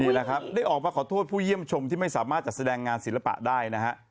นี่แหละครับได้ออกมาขอโทษผู้เยี่ยมชมที่ไม่สามารถจัดแสดงงานศิลปะได้นะฮะ